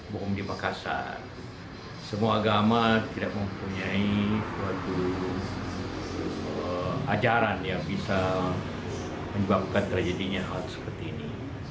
bukan di makassar semua agama tidak mempunyai suatu ajaran yang bisa menyebabkan tragedinya hal seperti ini